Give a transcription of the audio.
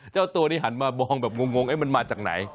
เจ้าตัวนี้หันมามองแบบงงมันมาจากไหน